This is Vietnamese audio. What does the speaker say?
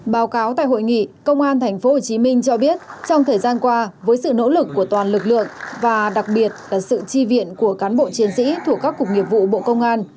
báo cáo tại hội nghị công an tp hcm cho biết trong thời gian qua với sự nỗ lực của toàn lực lượng và đặc biệt là sự chi viện của cán bộ chiến sĩ thuộc các cục nghiệp vụ bộ công an